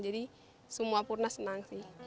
jadi semua purna senang sih